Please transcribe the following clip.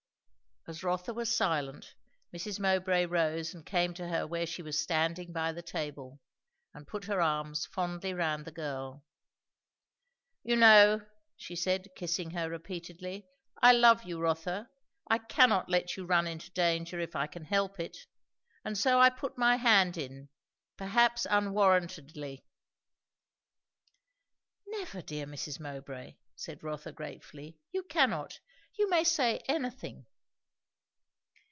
As Rotha was silent, Mrs. Mowbray rose and came to her where she was standing by the table, and put her arms fondly round the girl. "You know," she said, kissing her repeatedly, "I love you, Rotha. I cannot let you run into danger, if I can help it; and so I put my hand in, perhaps unwarrantedly." "Never, dear Mrs. Mowbray!" said Rotha gratefully. "You cannot. You may say anything."